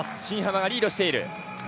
新濱がリードしている。